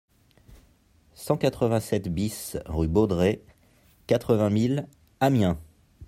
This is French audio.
cent quatre-vingt-sept BIS rue Baudrez, quatre-vingt mille Amiens